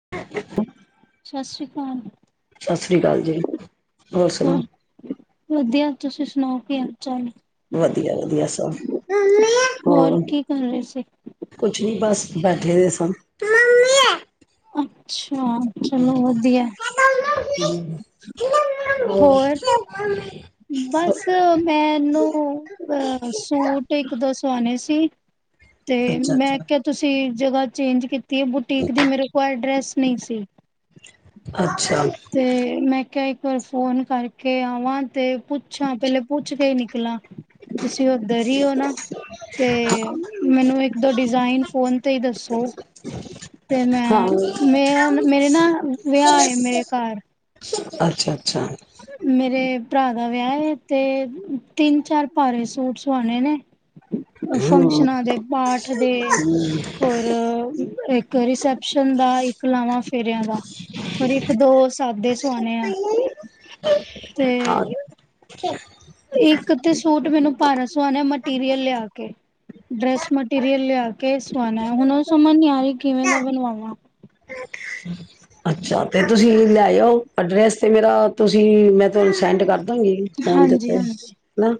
[unintelligible] ਸਤਿ ਸ੍ਰੀ ਅਕਾਲ। ਸਤਿ ਸ਼੍ਰੀ ਅਕਾਲ ਜੀ। ਹੋਰ ਹਾਂ, ਸੁਣਾਓ ਵਧੀਆ। ਤੁਸੀਂ ਸੁਣਾਓ, ਕੀ ਹਾਲ - ਚਾਲ? ਵਧੀਆ- ਵਧੀਆ, ਸਭ। ਹੋਰ, ਕੀ ਕਰ ਰਹੇ ਸੀ ਕੁਛ ਨੀ ਬਸ। ਬੈਠੇ ਦੇ ਸਾਂ। ਅੱਛਾ ਹਾਂ ਚਲੋ ਵਧੀਆ ਹਮ ਹੋਰ ਬਸ ਮੈਨੂੰ ਅਹ ਸੂਟ ਇੱਕ ਦੋ ਸੋਣੇ ਸੀ ਤੇ ਅੱਛਾ ਮੈਂ ਅੱਛਾ ਕਿਹਾ ਤੁਸੀਂ ਜਗ੍ਹਾ ਚੇਂਜ ਕੀਤੀ ਅਤੇ ਬੁਟੀਕ ਦੀ ਮੇਰੇ ਕੋਲ ਐਡਰੈੱਸ ਨੀ ਸੀ ਅੱ ਤੇ ਮੈਂ ਕਿਹਾ ਫੋਨ ਕਰਕੇ ਆਵਾਂ ਤੇ ਪੁੱਛਾਂ ਪਹਿਲੇ ਪੁੱਛ ਕੇ ਹੀ ਨਿਕਲਾਂ ਤੁਸੀਂ ਉੱਧਰ ਹੀ ਹੋ ਨਾ ਤੇ ਮੈਨੂੰ ਇੱਕ ਦੋ ਡਿਜ਼ਾਇਨ ਫੋਨ ਤੇ ਹੀ ਦੱਸੋ ਤੇ ਮੈਂ ਹਾਂ ਮੇ ਮੇਰੇ ਨਾ ਵਿਆਹ ਆਏ ਮੇਰੇ ਘਰ ਅੱਛਾ ਅੱਛਾ ਮੇਰੇ ਭਰਾ ਦਾ ਵਿਆਹ ਤੇ ਤਿੰਨ ਚਾਰ ਭਾਰੇ ਸੂਟ ਸਵਾਣੇ ਨੇ ਹਮ ਫੰਕਸ਼ਨਾਂ ਦੇ ਪਾਠ ਦੇ ਹੋਰ ਇੱਕ ਇੱਕ ਰਿਸੈਪਸ਼ਨ ਦਾ ਇੱਕ ਲਾਵਾਂ ਫੇਰਿਆਂ ਦਾ ਪਰ ਇੱਕ ਦੋ ਸਾਦੇ ਸਆਣੇ ਆ ਤੇ ਹਾਂ ਇੱਕ ਤੇ ਸੂਟ ਮੈਨੂੰ ਪਾਰਸ ਸੋਹਣੇ ਮਟੀਰੀਅਲ ਲਿਆ ਕੇ ਡਰੈਸ ਮਟੀਰੀਅਲ ਲਿਆ ਕੇ ਸਵਾਉਣਾ ਹੁਣ ਸਮਝ ਨਹੀਂ ਆ ਰਹੀ ਕਿਵੇਂ ਦਾ ਬਣਵਾਵਾਂ ਅੱਛਾ ਤੇ ਤੁਸੀਂ ਲੈਇਓ ਅਡਰੈਸ ਤੇ ਮੇਰਾ ਤੁਸੀਂ ਮੈਂ ਤੁਹਾਨੂੰ ਸੈਂਡ ਕਰ ਾਂਗੀ ਫਨ ਹਾਂਜੀ ਦਿੱਤੇ ਹਾਂਜੀ ਹਨਾ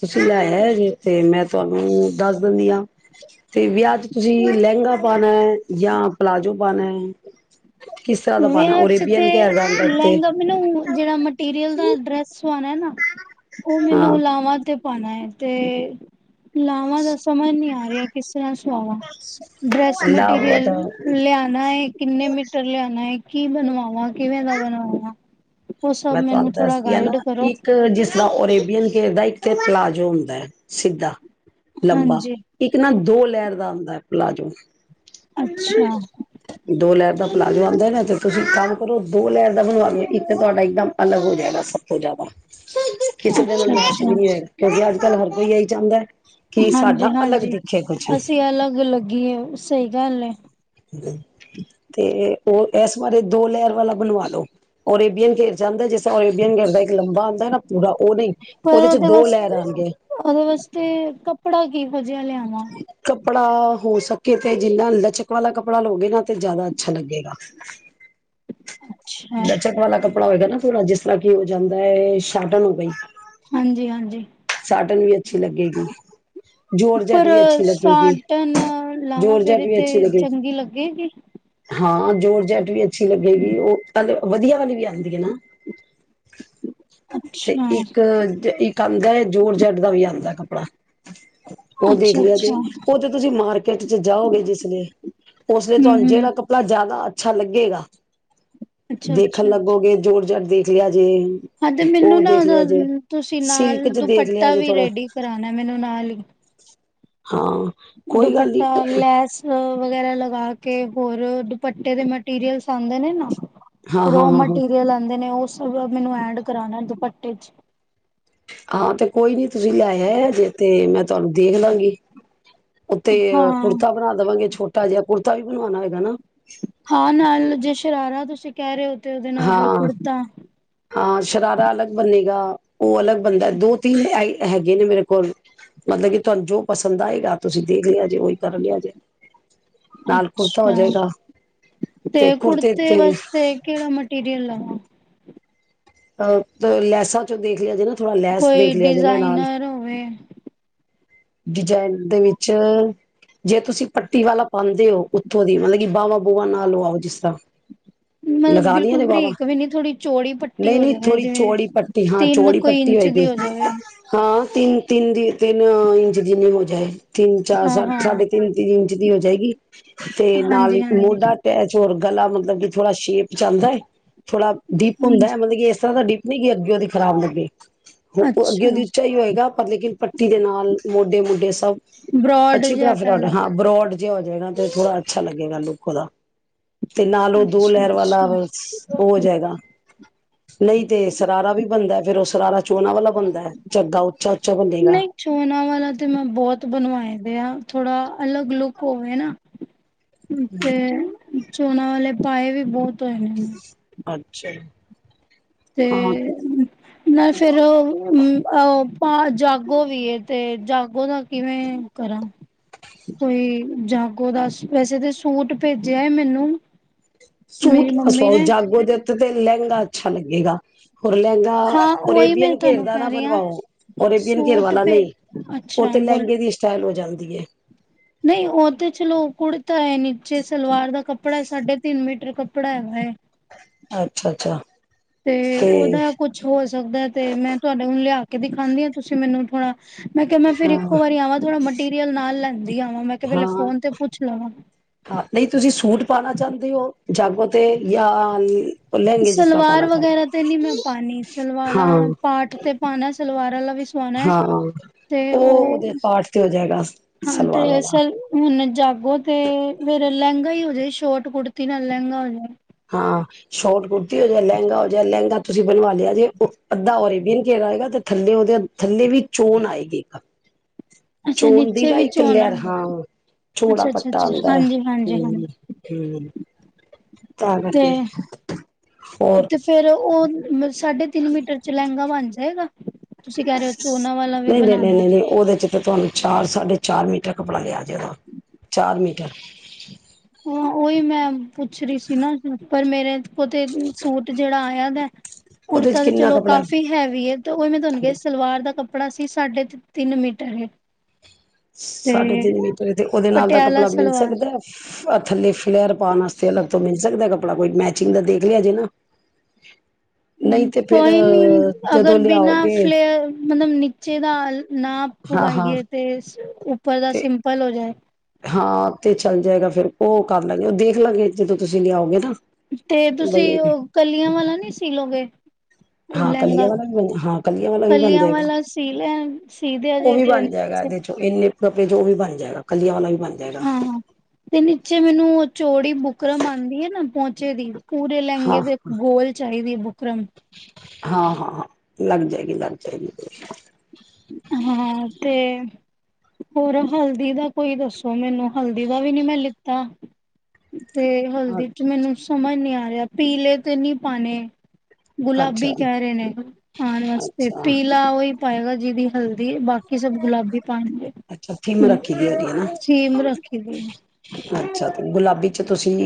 ਤੁਸੀਂ ਲੈਆ ਜੇ ਤੇ ਮੈਂ ਤੁਹਾਨੂੰ ਦੱਸ ਦਿੰਦੀ ਹ ਤੇ ਵਿਆਹ ਚ ਤੁਸੀਂ ਲਹਿੰਗਾ ਪਾ ਹੈ ਜਾਂ ਪਲਾਜ਼ੋ ਬਣਾ ਵਿਆਹ ਚ ਤੇ ਤੇ ਲਹਿੰਗਾ ਮੈਨੂੰ ਜਿਹੜਾ ਮਟੀਰੀਅਲ ਦਾ ਡਰੈਸ ਸਣਾ ਨਾ ਉਹ ਮੈਨੂੰ ਹਾਂ। ਲਾਵਾਂ ਤੇ ਪਣਾ ਹੈ ਤੇ ਲਾਵਾਂ ਦਾ ਸਮਾਂ ਨਹੀਂੀ ਆਇਆ [unintelligible] ਕਿਸ [unintelligible] ਸਵਾਵਾ, ਡਰੈਸ ਨਾ ਉਹ ਮਟੀਰੀਅਲ ਤਾਂ ਲਿਆਣਾ ਹੈ ਕਿੰਨੇ ਮੀਟਰ ਲਿਆਣ ਹਾਏ ਕੀ ਬਣਵਾਵਾਂ ਕਿਵੇਂ ਦਾ ਬਣਵਾਵਾਂ? ਉਹ ਸਭ ਮੈਂ ਮੈਨੂੰ ਤੁਹਾਨੂੰ ਥੋੜਾ ਦੱਸਦੀ ਹਾਂ ਨਾ ਗਾਈਡ ਕਰੋ ਇੱਕ ਜਿਸਦਾ [unintelligible] [unintelligible] ਦਾ ਇੱਕ ਤੇ ਪਲਾਜੋ ਹੁੰਦਾ ਹੈ ਸਿੱਧਾ। ਲੰਬਾ ਹਾਂਜੀ ਇੱਕ ਨਾ ਦੋ ਲਹਿਰ ਦਾ ਆਂਦ ਪਲਾਜੋ ਅੱਛਾ। ਦੋ ਲਹਿਰ ਦਾ ਪਲਾਜੋ ਆਂਦਾ ਏ ਨਾ, ਤੇ ਤੁਸੀ ਇੱਕ ਕੰਮ ਕਰੋ ਦੋ ਲਹਿਰ ਦਾ ਬਣਵਾ ਲਓ ਇੱਕ ਤੇ ਤੁਹਾਡਾ ਨਾ ਅਲੱਗ ਹੋ ਜਾਏਗਾ ਸਭ ਤੋ ਜਿਆਦਾ। ਕਿਸੇ ਦੇ ਅੱਛਾ ਦਿਮਾਗ ਚ ਅੱਛਾ ਵੀ ਨਹੀਂ ਹੋਏਗਾ [unintelligible] ਅੱਜ ਕੱਲ ਹਰ ਕੋਈ ਇਹੀ ਚਾਂਦਾ। ਹਾਂਜੀ-ਹਾਂਜੀ, ਅਸੀ ਅਲੱਗ ਲੱਗੀਏ, ਸਹੀ ਗੱਲ ਐ। ਤੇ ਉਹ ਇਸ ਬਾਰੇ ਦੋ ਲਹਿਰ ਵਾਲਾ ਬਨਵਾ ਲਓ ਅਰੇਬਿਯਨ [unintelligible] ਜਾਂਦਾ ਹੈ ਜਿਸ [unintelligible] ਸੋ ਅਰੇਬੀਯਨ ਕਰਦਾ ਇਕ ਲੰਬਾ ਆਂਦਾ ਨਾ ਪੂਰਾ ਉਹ ਨੀ ਪਰ ਉਹਦੇ ਚ ਦੋ ਲਹਿਰ ਵਾਸਤੇ ਆਣਗੇ। ਉਹਦੇ ਵਾਸਤੇ ਕੱਪੜਾ [inaudible] ਲਿਆਵਾਂ ੜਾ ਹੋ ਸਕੇ ਤੇ ਜਿੰਹਨਾ ਲਚਕ ਵਾਲਾ ਕੱਪੜਾ ਲਓਗੇ ਨਾ ਤੇ ਜਿਆਦਾ ਅੱਛਾ ਲੱਗੇਗਾ। ਅੱਛਾ ਲਚਕ ਵਾਲਾ ਕਪ੍ ਪੜਾ ਹੋਏਗਾ ਨਾ ਥੋੜਾ ਜਿਸ ਤਰ੍ਹਾਂ ਕੀ ਹੋ ਜਾਂਦਾ ਏ ਸਾਟਨ ਹੋ ਗਈ ਹਾਂਜੀ ਹਾਂਜੀ ਸਾਟਨ ਵੀ ਅੱਛੀ ਲੱਗੇਗੀ, ਜ਼ੋਰਜੱਟ ਪਰ ਵੀ ਅੱਛੀ ਲੱਗੇਗੀ ਸਾਟਨ ਲਾਵਾਂ ਜ਼ੋਰਜਟ ਫੇਰੇ ਵੀ ਤੇ ਅੱਛੀ ਲੱਗੇਗੀ। ਚੰਗੀ ਲੱਗੇਗੀ ਹਾਂ ਜੋੋਰਜੱਟ ਵੀ ਅ ਛੀ ਲੱਗੇਗੀ ਉਹ [unintelligible] ਵਧੀਆ ਵਾਲੀ ਵੀ ਆਂਦੀ ਹੈ ਨਾ। ਤੇ ਅੱਛਾ ਇੱਕ ਜ ਇ ਇਕ ਆਂਦਾ ਹੈ ਜੋਰਜੱਟ ਦਾ ਵੀ ਆਂਦਾ ਹੈ ਕੱਪੜਾ। ਉਹ ਦੇਖ ਅੱਛਾ ਲਿਆ ਅੱਛਾ ਜੇ, ਉਹ ਤੇ ਤੁਸੀ ਮਾਰਕੀਟ ਚ ਜਾਓਗੇ ਜਿਸਲੇ, ਓਸਦੇ ਹੂੰ ਤੁਹਾਨੂੰ ਹੂੰ ਜਿਹੜਾ ਕੱਪੜਾ ਜਿਆਦਾ ਅ ਅੱਛਾ ਲੱਗੇਗਾ। ਅੱਛਾ ਦੇਖਣ ਅੱਛਾ ਲੱਗੋਗੇ ਜੋਰਜਟ ਦੇਖ ਲਿਆ। ਜੇ ਹਾਂ ਤੇ ਮੈਨੂੰ ਉਹ ਨਾ ਦੇਖ ਉਹਦਾ ਲਿਆ ਜੇ ਨ ਤੁਸੀ ਨਾਲ ਸਿਲਕ ਚ ਦੇਖ ਲਿਆ ਦੁਪੱਟਾ ਜੇ ਵੀ ਥੋੜਾ ਰੇਡੀ ਕਰਾਉਨਾ ਹੈ ਮੈਨੂੰ ਨਾਲ ਹੀ। ਹਾਂ ਕੋਈ ਗੱਲ ਨੀ। ਦੁਪੱਟਾ ਲੈਸ ਵਗੈਰਾ ਲਗਾ ਕੇ ਹੋਰ ਦੁਪੱਟੇ ਦੇ ਮਟੀਰੀਅਲਸ ਆਉਂਦੇ ਨੇ ਨਾ। ਹਾਂ ਹਾਂ ਰੋ ਹਾਂ ਹਾਂ ਮਟੀਰੀਅਲ ਆਉਂਦੇ ਨੇ ਉਹ। ਸ ਮੈਨੂੰ ਐਡ ਕਰਾਣਾ ਦੁਪੱਟੇ ਚ। ਹਾਂ ਤੇ ਕੋਈ ਨੀ ਤੁਸੀਂ ਲੈਆਜੇ ਤੇ ਮੈਂ ਤੁਹਾਨੂੰ ਦੇਖ ਲਾਂਗੀ ਉੱਤੇ ਹਾਂ ਕੁੜਤਾ ਬਣਾ ਦੇਵਾਂਗੇ ਛੋਟੇ ਤਾਜ਼ਾ ਕੁੜਤਾ ਵੀ ਬਣਵਾਉਣਾ ਹੈਗਾ ਨਾ। ਹਾਂ ਨਾਲ ਜੇ ਸ਼ਰਾਰਾ ਤੁਸੀਂ ਕਹਿ ਰਹੇ ਹੋ। ਤੇ ਉਹਦੇ ਨਾਲ ਫੇਰ ਹਾਂ ਕੁੜਤਾ ਹਾਂ ਸ਼ਰਾਰਾ ਅਲੱਗ ਬਣੇੇਗਾ ਉਹ ਅਲੱਗ ਬਣਦਾ ਦੋ ਤਿੰਨ ਹੈਗੇ ਨੇ ਮੇਰੇ ਕੋਲ ਮਤਲਬ ਕਿ ਤੁਹਾਨੂੰ ਜੋ ਪਸੰਦ ਆਏਗਾ ਤੁਸੀਂ ਦੇਖ ਲਿਆ ਜੇ ਉਹੀ ਕਰ ਲਿਆ ਜੇ। ਨਾਲ ਕੁੜਤਾ ਹੋ ਅੱਛਾ ਜਾਏਗਾ ਤੇ ਕੁੜਤੇ ਵਾਸਤੇ ਕਿਹੜਾ ਮਟੀਰੀਅਲ ਲੈਣਾ? ਅਹ ਲੈਸਾ ਚੋਂ ਦੇਖ ਲਿਆ ਜ ਕੋਈ ਡਿਜ਼ਾਇਨਰ ਹੋਵੇ। ਡਿਜ਼ਾਇਨ ਦੇ ਵਿੱਚ ਜੇ ਤੁਸੀਂ ਪੱਟੀ ਵਾਲਾ ਪਾਉਦੇ ਹੋ ਉੱਥੋਂ ਦੀ ਮਤਲਬ ਕਿ ਬਾਹਵਾਂ ਬੂਵਾਂ ਨਾਲ ਲ ਆਓ ਜਿਸ ਤਰਾਂ। ਮਤਲਬ ਬਿਲਕੁਲ ਬਰੀਕ ਵੀ ਨੀ ਥੋੜ੍ਹੀ ਚੋੜੀ ਪੱਟੀ ਨਹੀਂ ਹੋ ਨਹੀਂ ਜਾਵੇ ਥੋੜ੍ਹੀ ਜਿਵੇਂ ਚੌੜੀ ਪੱਟੀ ਹਾਂ ਤਿੰਨ ਚੌੜੀ ਕੁਈ ਇੰਚ ਦੀ ਹੋ ਜਾਵੇ। ਤਿੰਨ - ਤਿੰਨ ਦੀ ਤਿੰਨ ਸਧ ਨਹੀਂ ਹੋ ਜਾਏ। ਤਿੰਨ ਚਾਰ ਹਾਂ ਹਾਂ ਸਾਢੇ ਤਿੰਨ- ਤਿੰਨ ਇੰਚ ਦੀ ਹੋ ਜਾਏਗੀ ਤੇ ਨਾਲ ਹਾਂਜੀ ਹੀ ਹਾਂਜੀ ਮੋਢਾ ਅਟੈਚ ਹੋਰ ਗਲਾ ਮਤਲਬ ਕਿ ਥੋੜਾ ਸ਼ੇਪ ਚੱਲਦਾ। ਥੋੜਾ ਡੀਪ ਹੁੰਦਾ ਹਾਂਜੀ ਹੈ- ਮਤਲਬ ਇਸ ਤਰ੍ਹਾਂ ਦਾ ਡੀਪ। ਨਹੀਂ ਗ ਅੱਗੇ ਉਹਦੀ ਖ਼ਰਾਬ ਲੱਗੇ। ਅੱਗੇ ਅੱਛਾ ਉਹਦੀ ਉੱਚਾ ਹੀ ਹੋਏਗਾ ਪਰ ਲੇਕਿਨ ਪੱਟੀ ਦੇ ਨਾਲ। ਮੋਢੇ -ਮੋਢੇ ਸਭ ਬਰੋਡ ਅੱਛੀ ਤਰ੍ਹਾਂ ਜਿਹਾ ਕਹਿ ਫਿਰ ਲਓ ਹਾਂ ਬਰੋਡ। ਜੇ ਹੋ ਜਾਏਗਾ ਤੇ ਥੋੜਾ ਅੱਛਾ ਲੱਗੇਗਾ ਲੁੱਕ ਉਹਦਾ। ਤੇ ਨਾਲ ਉਹ ਦੋ ਅੱਛਾ ਲਹਿਰ ਵਾਲਾ ਅੱਛਾ ਹੋ ਜਾਏਗਾ। ਨਹੀਂ ਤੇ ਸਰਾਰਾ ਵੀ ਬਣਦਾ ਫੇਿਰ ਉਸ ਸਰਾਰਾ ਚੋਨਾ ਵਾਲਾ ਬਣਦਾ ਹੈ ਝੱਗਾ ਉੱਚਾ ਉੱਚਾ ਬਣੇੇਗਾ। ਨਹੀਂ ਚੋਨਾ ਵਾਲਾ ਤੇ ਮੈਂ ਬਹੁਤ ਬਣਵਾਏ ਦੇ ਆ ਥੋੜਾ ਅਲੱਗ ਲੁੱਕ ਹੋਵੇ ਨਾ। ਤੇ ਚੋਨਾ ਵਾਲੇ ਪਾਏ ਵੀ ਬਹੁਤ ਤ ਹੈ ਸੇ ਤੇ ਨਾਲ ਫੇਿਰ ਉਹ ਹਮ [unintelligible] ਹਾਂ ਜਾਗੋ ਵੀ ਏ ਤੇ ਜਾਗੋ ਦਾ ਕਿਵੇਂ ਕਰਾਂ ਕੋਈ ਜਾਗੋ ਦਾ ਵੈਸੇ ਤੇ ਸੂਟ ਭੇਜਿਆ ਮੈਨੂੰ ਮੇਰੀ ਸੂਟ ਸੌ ਮੰਮੀ ਨੇ ਜਾਗੋ [unintelligible] ਲਹਿੰਗਾ ਅੱਛਾ ਲੱਗੇਗਾ ਹੋਰ ਲਹਿੰਗਾ ਹਾਂ ਉਹੀ ਮੈਂ ਓਰੇਬੀਅਨ ਘੇਰ ਤੁਹਾਨੂੰ ਦਾ ਨਾ ਕਹਿ ਰਹੀ ਹਾਂ ਬਣਵਾਓ ਓਰੇਬੀਅਨ ਘੇਰ ਸੂਟ ਵਾਲਾ ਭੇ ਨਹੀਂ ਉਹ ਅੱਛਾ ਤੇ ਬੋਲ ਲਹਿੰਗੇ ਦੀ ਸਟਾਈਲ ਹੋ ਜਾਂਦੀ [unintelligible] ਨਹੀਂ ਉਹ ਤੇ ਚਲੋ ਕੁੜਤਾ ਹੈ ਨੀਚੇ ਸਲਵਾਰ ਦਾ ਕੱਪੜਾ ਸਾਢੇ ਤਿੰਨ ਮੀਟਰ ਕੱਪੜਾ ਹੈਗਾ ਹੈ ਅੱਛਾ ਅੱਛਾ। ਤੇ ਉਹਦਾ ਕੁਛ ਹੋ ਸਕਦਾ ਤੇ ਮੈਂ [unintelligible] ਕੇ [unintelligible] ਤੁਸੀਂ ਮੈਨੂੰ ਥੋੜਾ ਮੈਂ ਕਿਹਾ ਮੈਂ ਫੇਿਰ ਹਾਂ। ਇੱਕੋ ਵਾਰੀ ਆਵਾਂ ਥੋੜਾ [unintelligible] ਵਧੀਆ ਹੁਣ ਮੈਂ [unintelligible] ਵੇਲੇ ਹਾਂ ਫੋਨ ਤੇ ਪੁੱਛ ਲਵਾਂ ਪਾਣਾ ਚਾਹੁੰਦੇ ਹੋ ਜਾਗੋ ਤੇ ਯਾ ਸਲਵਾਰ ਵਗੈਰਾ ਤੇ ਨਹੀਂ ਮੈਂ ਪਾਣੀ ਹੋ? ਸਲਵਾਰਾਂ ਹਾਂ ਪਾਠ ਤੇ ਪਾਣਾ ਸਲਵਾਰਾਂ [unintelligible] ਸੋਣਾ ਹਾਂ ਤੇ ਉਹ ਉਹਦੇ ਪਾਠ ਤੇ ਹੋ ਜਾਏਗਾ ਹਾਂ ਸਲਵਾਰ ਤੇ ਵਾਲਾ ਸਰ ਹੁਣੇ [unintelligible] ਓਹ ਤੇ ਫਿਰ ਲਹਿੰਗਾ ਹੀ ਹੋਜੇ ਸ਼ੋਰਟ ਕੁੜਤੀ ਨਾਲ ਲਹਿੰਗਾ ਹੋਜੇ ਹਾਂ ਸ਼ੋਰਟ ਕੁੜਤੀ ਹੋਜੇ ਲਹਿੰਗਾ ਹੋਜੇ ਲਹਿੰਗਾ ਤੁਸੀਂ ਬਣਵਾ ਲਿਆ ਜੇ ਉਹ ਅੱਧਾ ਓਰੇਬੀਅਨ ਘੇਰਾ ਆਏਗਾ ਤੇ ਥੱਲੇ ਉਹਦੇ ਥੱਲੇ ਵੀ ਚੋਣ ਆਏਗੀ ਅੱਛਾ ਚੋਣ ਦੀ ਨੀਚੇ ਨਾ ਵੀ ਇੱਕ ਚੋਣਾ ਲੈਰ ਹਾਂ ਚੌੜਾ ਅੱਛਾ ਅੱਛਾ ਪੱਟਾ ਅੱਛਾ ਹੁੰਦਾ ਹਾਂਜੀ ਹਾਂਜੀ ਹਾਂਜੀ ਹਮ ਤੇ ਹੋਰ ਤੇ ਫੇਰ ਉਹ ਸਾਢੇ ਤਿੰਨ ਮੀਟਰ ਚ ਲਹਿੰਗਾ ਬਣ ਜਾਏਗਾ ਤੁਸੀਂ ਕਹਿ ਰਹੇ ਹੋ ਚੋਨਾ ਵਾਲਾ ਵੀ ਨਹੀਂ ਨਹੀਂ ਨਹੀਂ ਬਣਾਣਾ ਨਹੀਂ ਨਹੀਂ ਉਹਦੇ ਚ ਤੇ ਤੁਵਾਨੁ ਚਾਰ ਸਾਢੇ ਚਾਰ ਮੀਟਰ ਕੱਪੜਾ ਲਿਆ ਕੇ ਨਾ ਚਾਰ ਮੀਟਰ ਹਾਂ ਓਹੀ ਮੈਂ ਪੁੱਛ ਰਹੀ ਸੀ ਨਾ ਪਰ ਮੇਰੇ ਓ ਤੇ ਸੂਟ ਜਿਹੜਾ ਆਇਆ ਦਾ ਉਹਦੇ ਚ ਕੁਰਤਾ ਤੇ ਕਿੰਨਾ ਚਲੋ ਕੱਪੜਾ ਕਾਫ਼ੀ ਹੈਵੀ ਏ ਤੇ ਉਹ ਮੈਂ ਤੁਹਾਨੂੰ ਕਿਹਾ ਸੀ ਸਲਵਾਰ ਦਾ ਕੱਪ ਕੱਪੜਾ ਸੀ ਸਾਢੇ ਤਿੰਨ ਮੀਟਰ ਤੇ ਸਾਢੇ ਤਿੰਨ ਮੀਟਰ ਤੇ ਉਹਦੇ ਨਾਲ ਦਾ ਪਟਿਆਲਾ ਕੱਪੜਾ ਮਿਲ ਸਲਵਾਰ ਸਕਦਾ ਹੈ ਥੱਲੇ [unintelligible] ਤੋਂ ਮਿਲ ਸਕਦਾ ਕੱਪੜਾ ਕੋਈ ਮੈਚਿੰਗ ਦਾ ਦੇਖ [unintelligible] ਨਹੀਂ ਤੇ ਫੇਰ ਕੋਈ ਨੀ ਜਦੋਂ ਅਗਰ ਬਿਨਾਂ ਲਿਆਓਗੇ ਫਲੇਅਰ ਮਤਲਬ ਨੀਚੇ ਦਾ ਨਾ ਹਾਂ ਹਾਂ ਪਾਈਏ ਤੇ ਉੱਪਰ ਦਾ ਤੇ ਸਿੰਪਲ ਹੋ ਜਾਏ ਹਾਂ ਤੇ ਚੱਲ ਜਾਏਗਾ ਫੇਰ ਉਹ ਕਰ ਲਗੇ ਉਹ ਦੇਖ ਲਾਂਗੇ ਜਦੋਂ ਤੁਸੀਂ ਲਿਆਓਗੇ ਤਾਂ, ਤੇ ਤੁਸੀਂ ਉਹ ਕਲੀਆਂ ਵਾਲਾ ਨਹੀਂ ਸੀਲੋਗੇ। ਹਾਂ ਕਲੀਆਂ ਵਾਲਾ ਵੀ ਬਣ ਹਾਂ ਕਲੀਆਂ ਵਾਲਾ ਵੀ ਬਣ ਕਲੀਆਂ ਜਾਏਗਾ ਵਾਲਾ ਸੀ ਲੈ ਸੀ ਦੇ ਉਹ ਅਜੇ ਵੀ ਤੇ ਬਣ ਜਾਏਗਾ ਇਹਦੇ ਚੋਂ ਇਨੇ ਕੱੜੇ ਜੋ ਵੀ ਬਣ ਜਾਏਗਾ, ਕੱਲੀਆਂ ਵਾਲਾ ਵੀ ਬਣ ਜਾਏਗਾ ਹਾਂ ਨਿ ਨੀਚੇ ਮੈਨੂੰ ਚੋੜੀ ਬੁਕਰਮ ਆਦੀ ਹੈ ਨਾ ਪਹੁੰਚ ਬੱਚੇ ਦੀ ਪੂਰੇ ਲਹਿੰਗੇ ਹਾਂ ਦੇ ਇੱਕ ਗੋਲ ਚਾਹੀਦੀ। ਬੁਕਰਮ, ਹਾਂ ਹਾਂ ਹਾਂ ਲੱਗ ਜਾਏਗੀ ਲੱਗ ਜਾਏਗੀ। ਹਾਂ ਤੇ ਹੋਰ ਹਲਦੀ ਦਾ ਕੋਈ ਦੱਸੋ ਮੈਨੂੰ ਹਲਦੀ ਦਾ ਵੀ ਲੀ ਤਾਂ, ਤੇ ਹਲਦੀ ਚ ਮੈਨੂੰ ਸਮਝ ਨਹੀਂ ਆ ਰਿਹਾ ਪੀਲੇ ਤੇ ਨਹੀਂ ਪਾਣੇ ਅੱਛਾ ਗੁਲਾਬੀ ਕਹਿ ਰਹੇ ਨੇ ਖਾਣ ਵਾਸਤੇ ਅੱਛਾ ਪੀਲਾ ਉਹੀ ਪਏਗਾ ਜੀਦੀ, ਦੀ ਬਾਕੀ ਸਭ ਗੁਲਾਬੀ ਪਾਣੀ ਅੱਛਾ ਥੀਮ ਰੱਖੀ ਦੀ ਉਹਦੀ ਹਨਾ ਸੀਮ ਰੱਖੀ ਦੀ ਅੱਛਾ ਤੇ ਗੁਲਾਬੀ ਚ ਤੁਸੀਂ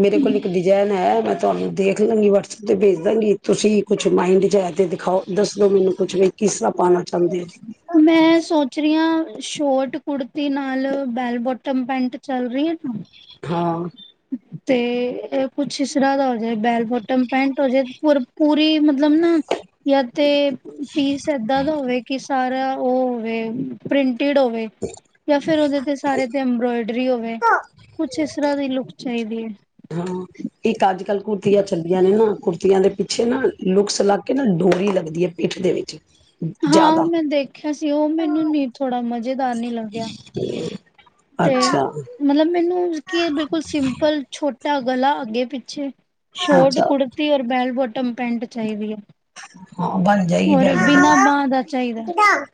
ਮੇਰੇ ਕੋਲ ਇੱਕ ਡਿਜਾਇਨ ਹੈ ਮਤਲਬ ਤੁਹਾਨੂੰ ਦੇਖ ਲਾਂਗੀ ਵਟਸਐਪ 'ਤੇ ਭੇਜ ਦਾਂਗੀ ਤੁਸੀਂ ਕੁਛ ਮਾਇਂਡ 'ਚ ਹੈ ਤੇ ਦਿਖਾਓ ਦੱਸ ਦਿਓ ਮੈਨੂੰ ਕੁਛ ਵੀ ਕਿਸ ਤਰ੍ਹਾਂ ਪਾਉਣਾ। ਚਾਹੁੰਦੇ ਹੋ ਮੈਂ ਸੋਚ ਰਹੀ ਹਾਂ। ਸ਼ੋਟ ਕੁੜਤੀ ਨਾਲ ਬੈਲ ਬੋਟਮ ਪੈਂਟ ਚੱਲ ਰਹੀ ਹੈ ਨਾ, ਹਾਂ, ਤੇ ਕੁਛ ਸਰਾ ਦਾ ਹੋ ਜਾਏ ਬੈਲ ਬੋਟਮ ਪੈਂਟ ਹੋ ਜਾਏ ਪੂਰੀ ਮਤਲਬ ਨਾ ਜਾਂ ਤੇ ਪੀਸ ਏਦਾਂ ਦਾ ਹੋਵੇ ਕਿ ਸਾਰਾ ਉਹ ਹੋਵੇ ਪ੍ਰਿੰਟ ਹੋਵੇ ਜਾਂ ਫੇਰ ਉਹਦੇ ਤੇ ਸਾਰੇ ਤੇ ਅਬਰੋਇਡ ਹੋਵੇ ਕੁਛ ਇਸ ਤਰ੍ਹਾਂ ਦੀ ਲੁ ਚਾਹੀਦੀ ਹੈ। ਹਾਂ, ਇੱਕ ਅੱਜ ਕੱਲ੍ਹ ਕੁੜਤੀਆਂ ਚੱਲੀਆਂ ਨੇ ਨਾ ਕੁੜਤੀਆਂ ਦੇ ਪਿੱਛੇ ਨਾ ਲੁਕਸ ਲੱਗ ਕੇ ਨਾ ਡੋਰੀ ਲੱਗਦੀ ਹੈ, ਪਿੱਠ ਦੇ ਵਿੱਚ ਹਾਂ ਉਹ ਜ਼ਿਆਦਾ ਮੈਂ ਦੇਖਿਆ ਸੀ, ਉਹ ਮੈਨੂੰ ਨ ਥੋੜ੍ਹਾ ਮਜ਼ੇਦਾਰ ਨੀ ਲੱਗਿਆ। ਤੇ ਅੱਛਾ ਮਤਲਬ ਮੈਨੂੰ ਕੀ ਬਿਲਕੁਲ ਸਿੰਪਲ ਛੋਟ ਤਾਂ ਗਲਾ ਅੱਗੇ ਪਿੱਛੇ ਸ਼ੋਰਟ ਅੱਛਾ ਕੁੜਤੀ ਔਰ ਬੈੱਲ਼ ਬੋਟ ਟਮ ਪੈਂਟ ਚਾਹੀਦੀ ਹੈ। ਹਾਂ ਬਣ ਜਾਏਗੀ ਔਰ ਬੈੱਲ਼ ਬਿਨਾਂ ਬਾਂਹ ਦਾ ਚਾਹੀਦਾ ਬੋਟਮ।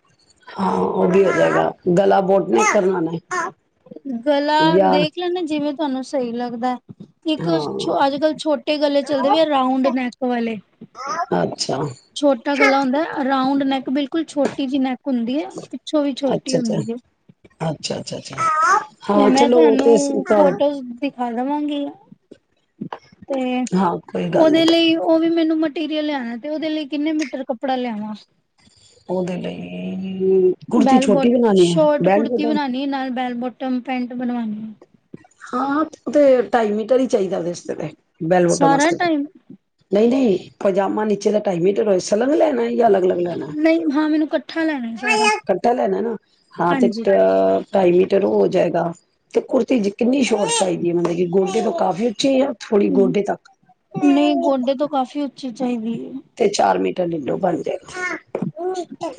ਹਾਂ ਉਹ ਵੀ ਹੋ ਜਾਏਗਾ, ਗਲਾ ਬੋਟ ਨੈਕ ਕਰ ਬਣਾਣਾ ਐ। ਗਲਾ ਦੇਖ ਲੈਂਨੇ ਜਿਵੇਂ ਤੁਹਾਨੂੰ ਸਹੀ ਲੱਗਦਾ। ਇੱਕ ਅੱਜ ਹਾਂ ਕੱਲ੍ਹ ਛੋਟੇ ਗੱਲੇ ਚੱਲ ਰੇ ਆ ਰਾਉਂਡ ਨੈਕ ਔ ਵਾਲੇ, ਅੱਛਾ ਛੋਟਾ ਗਲਾ ਹੁੰਦਾ ਰਾਉਂਡ ਨੈਕ। ਬਿਲਕੁਲ ਛੋਟੀ ਜਿਹੀ ਨੈਕ। ਹੁੰਦੀ ਹੈ ਪਿੱਛੋਂ ਵੀ ਛੋਟੀ ਹੁੰਦੀ ਹੈ। ਅੱਛਾ-ਅੱਛਾ, ਤੇ ਮੈਂ ਤੁਹਾਨੂੰ ਤਾਂ ਫੋਟੋਜ਼ ਦਿਖਾ ਦੇਵਾਂਗੀ। ਤੇ ਹਾਂ ਕੋਈ ਗੱਲ ਨੀ ਉਹਦੇ ਲਈ ਉਹ ਵੀ ਮੈਨੂੰ ਮਾਟੀਰਲ ਲਿਆਣਾ ਤੇ ਉਹਦੇ ਲਈ ਕਿੰਨੇ ਮੀਟਰ ਕੱਪੜਾ ਲਿਆਵਾ ਉਹਦੇ ਲਈ ਕੁੜਤੀ ਬੈਲਬੋਟ ਛੋਟੀ ਬਣਾਉਣੀ ਹੈ ਸ਼ੋਰਟ ਬੈਲ ਕੁੜਤੀ ਬੋਟਮ ਬਣਾਉਣੀ ਨਾਲ ਬੈਲਬੋਟ ਟਮ ਪੈਂਟ ਬਣਵਾਉਣੀ ਆ। ਹਾਂ ਔ ਤੇ ਢਾਈ ਮੀਟਰ ਹੀ ਚਾਹੀਦਾ ਉਹਦੇ ਤੇ ਬੈਲਮੋਟ ਸਾਰਾ ਵਾਸਤੇ, ਟਾਈਮ ਨਹੀਂ ਨਹੀਂ ਪਜਾਮਾ ਨੀਚੇ ਦਾ ਟਾਈ ਮੀਟਰ ਰੋਏ, ਸਲਗ ਲੈਣਾ ਈ, ਕੇ ਅਲੱਗ ਅਲੱਗ। ਲੈਣਾ, ਨਹੀਂ ਹਾਂ ਮੈਨੂੰ ਇਕੱਠਾ ਲੈਣਾ ਸਾਰਾ ਇਕੱਠਾ ਲੈਣਾ ਨਾ, ਹਾਂ ਤੇ ਹਾਂਜੀ ਔ ਢਾਈ ਮੀਟਰ ਉਹ ਹੋ ਜਾਏਗਾ। ਤੇ ਕੁੜਤੀ ਜੀ ਕਿੰਨੀ ਸ਼ੋਟ ਚਾਹੀਦੀ ਏ, ਮਤਲਬ ਗੋਡੇ ਤੋਂ ਕਾਫ਼ੀ ਉੱਚੀ ਹੈ। ਥੋੜੀ ਗੋਡੇ ਤੱਕ ਨਹੀਂ ਗੋਡੇ ਤੋਂ ਕਾਫ਼ੀ ਉੱਚੀ ਚਾਹੀਦੀ ਏ। ਤੇ ਚਾਰ ਮੀਟਰ ਲੈਲੋਂ ਬਣ ਜਾਏਗਾ।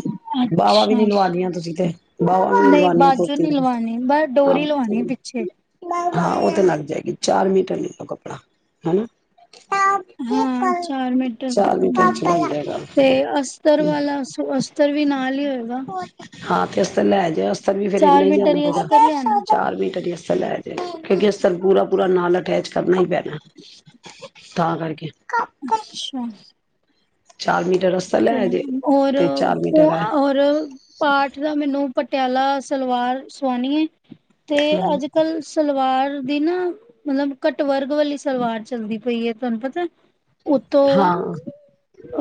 ਬਾਵਾ ਵੀ ਨੀ ਅੱਛਾ ਲਵਾਨੀਆਂ ਤੁਸੀਂ ਤੇ, ਬਾਵਾ ਵੀ ਨੀ ਨਹੀਂ ਲਵਾਨੀਆ ਬਾਜੂ ਕੁੜਤੀ ਨੀ ਦੀ ਲਵਾਣੀ ਬਸ ਹਾਂ ਡੋਰੀ ਲਵਾਣੀ ਪਿੱਛੇ ਔ ਤੇ ਲੱਗ ਜਾਏਗੀ, ਚਾਰ ਮੀਟਰ ਲਿਖ ਲੋ ਕੱਪੜਾ, ਹੈ ਨਾ ਹਾਂ ਚਾਰ ਮਿੰਟਰ ਚਾਰ ਮੀਟਰ ਚ ਲੱਗ ਜਾਏਗਾ ਤੇ ਅਸਤਰ ਵਾਲਾ ਸ ਉਤਰ ਵੀ ਨਾਲ ਹੀ ਦਾ ਹਾਂ ਤੇਸ ਤਾਂ ਲੈ ਤੇ ਅਸਤਰ ਵੀ ਫੇਿਰ ਇਨਾ ਹੀ ਮੀਟਰ ਜਾਣਾ ਪ ਅਸਤਰ ਲਿਆਣਾ। ਚਾਰ ਮਟ [inaudible] ਕਿਉਂਕਿ ਅ ਤਰ ਪੂਰਾ ਪੂਰਾ ਨਾਲ ਲ ਅਟੈਚ ਕਰਨਾ ਹੀ ਪੈਣਾ ਤਾਂ ਕਰਕੇ ਅੱਛਾ ਚਾਲ ਮ ਔਰ ਹੈ ਔਰ ਪਾਠ ਦਾ ਮੈਨੂੰ ਪਟਿਆਲਾ ਸਲਵਾਰ ਸਵਾਣੀ ਹੈ ਤੇ ਹਮ ਅੱਜ ਕੱਲ ਸਲਵਾਰ ਦੀ ਨਾ ਮਤਲਬ ਘੱਟ ਵਰਗ ਵਾਲੀ ਸਲਵਾਰ ਚੱਲਦੀ ਪਈ ਹੈ ਤੁਹਾਨੂੰ ਪਤਾ ਉਤੋਂ ਹਾਂ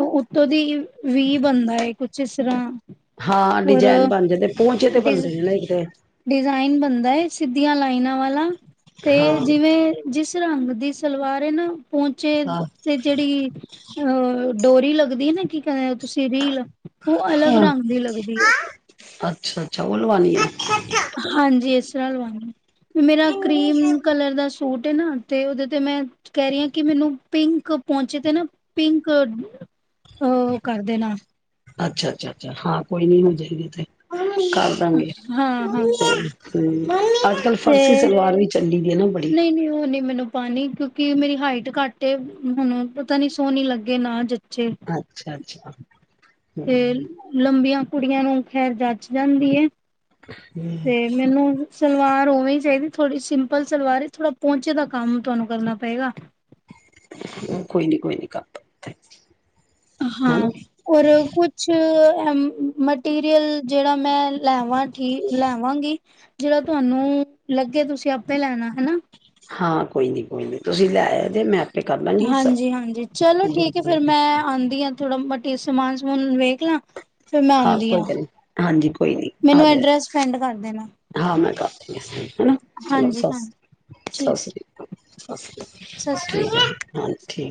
ਉ ਤੁਦੀ ਵੀ ਬੰਦਾ ਇੱਕ ਕੁਚਿਸਰਾ ਹਾਂ ਡਿਜਾਇਨ ਬਣ ਜਾਂਦੇ ਪਹੁੰਚੇ ਤੇ ਡਿਜ਼ ਬਣਦੇ ਨੇ ਨਾ ਇੱਕ ਤੇ ਡਿਜ਼ਾਇਨ ਬਣਦਾ ਹੈ ਸਿੱਧੀਆਂ ਲਾਈਨਾਂ ਵਾਲਾ ਤੇ ਹਾਂ ਜਿਵੇਂ ਜਿਸ ਰੰਗ ਦੀ ਸਲਵਾਰ ਨਾ ਪਹੁੰਚੇ ਹਾਂ ਤੇ ਜਿਹੜੀ ਅਹ ਡੋਰੀ ਲੱਗਦੀ ਵਧ ਨਾ ਕੀ ਕ ਤੁਸੀਂ ਰੀਲ ਉਹ ਅਲੱਗ ਹਾਂ ਰੰਗ ਦੀ ਲੱਗਦੀ ਹੈ ਚਾਲ ਵਣੀੀ ਆ ਚਾਲਵਾ ਮੇਰਾ ਕਰੀਮ ਕਲਰ ਦਾ ਸੂਟ ਨਾ ਤੇ ਉਹਦੇ ਤੇ ਮੈਂ ਕਹਿ ਰਹੀਾਂ ਕਿ ਮੈਨੂੰ ਪਿੰਕ ਪਹੁੰਚੇ ਤੇ ਨਾ ਪਿੰਕਹ ਕਰਦੇ ਨਾ ਅੱਛਾ ਅੱਛਾ ਅੱਛਾ ਹਾਂ ਕੋਈ ਨੀ ਹੋ ਜਾਏਗੀ ਉੱਥੇ ਕਰ ਦਾਂਗੇ ਹਾਂ ਹਾਂ ਹਮ ਅੱਜ ਕੱਲ੍ਹ ਤੇ ਫਰਸੀ ਸਲਵਾਰ ਵੀ ਚੱਲੀ ਦੀ ਹੈ ਨਾ ਬੜੀ ਨਹੀਂ ਨਹੀਂ ਉਹ ਨਹੀਂ ਮੈਨੂੰ ਪਾਣੀ ਕਿਉਂਕਿ ਮੇਰੀ ਹਾਈਟ ਘੱਟ ਏ ਹੁਣ ਪਤਾ ਨੀ ਸੋਹਣੀੀ ਲੱਗੇ ਨਾ ਜ ਅੱਛਾ ਅੱਛਾ ਹੂੰ ਤੇ ਲੰਬੀਆਂ ਕੁੜੀਆਂ ਨੂੰ ਖੈਰ ਜੱਚ ਜਾਂਦੀ ਹੂੰ, ਤੇ ਮੈਨੂੰ ਸਲਵਾਰ ਉਵੇਂ ਚਾਹੀਦੀ ਥੋੜੀ ਸਿੰਪਲ ਸਲਵਾਰ ਥੋੜਾ ਪਹੁੰਚੇ ਦਾ ਕੰਮ ਤੁਹਾਨੂੰ ਕਰਨਾ ਪਏਗਾ। ਕੋਈ ਨੀ ਕੋਈ ਨੀ ਕੰ ਹਾਂ ਔਰ ਕੁਛ, ਮਟੀਰੀਅਲ ਜਿਹੜਾ ਮੈਂ ਲੈਵਾਂ ਠੀ ਲੈਵਾਂਗੀ ਜਿਹੜਾ ਤੁਹਾਨੂੰ ਲੱਗੇ ਤੁਸੀਂ ਆਪੇ ਲੈਣਾ ਹਨਾ। ਹਾਂ ਕੋਈ ਨਹੀਂ ਕੋਈ ਨੀ ਤੁਸੀਂ ਲੈ ਆ ਤੇ ਮੈਂ ਆਪੇ ਕਰ ਲਾਂਗੀ ਸਭ ਹਾਂਜੀ-ਹਾਂਜੀ ਚਲੋ ਠੀਕ ਹੈ ਫਿਰ ਮੈਂ ਆਂਦੀ ਹਾਂ ਥੋੜਾ ਬਹੁਟੇ ਸਮਾਨ ਸਮਾਨ ਵੇਖ ਨ ਫਿਰ ਮੈਂ ਹਾਂ ਆਉਂਦੀ, ਕੋਈ ਆ ਗੱਲ ਨੀ ਹਾਂਜੀ ਕੋਈ ਨੀ ਆ ਮੈਨੂੰ ਜਾਇਓ। ਐਡਰੈਸ ਸੈਂਡ ਕਰ ਦੇਣਾ। ਇਸ ਹੈ ਨਾ ਚਲੋ ਹਾਂਜੀ-ਹਾਂਜੀ ਸਤਿ ਠੀਕ ਹੈ ਸ਼੍ਰੀ ਅਕਾਲ ਸਤਿ ਸ਼੍ਰੀ ਅਕਾਲ ਸਤਿ ਸ਼੍ਰੀ ਅਕਾਲ ਠੀਕ ਹਾਂਜੀ ਠੀਕ।